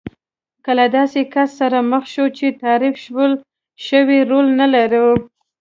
که له داسې کس سره مخ شو چې تعریف شوی رول نه لرو.